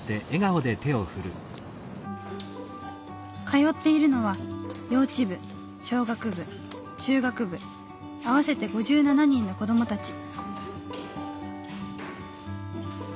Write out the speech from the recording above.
通っているのは幼稚部小学部中学部合わせて５７人の子どもたち。